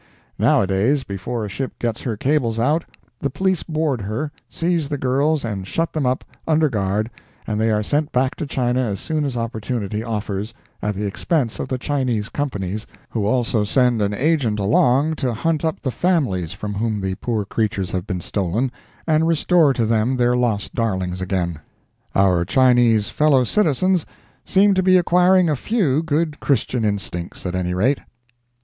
Now a days, before a ship gets her cables out, the Police board her, seize the girls and shut them up, under guard, and they are sent back to China as soon as opportunity offers, at the expense of the Chinese Companies, who also send an agent along to hunt up the families from whom the poor creatures have been stolen, and restore to them their lost darlings again. Our Chinese fellow citizens seem to be acquiring a few good Christian instincts, at any rate.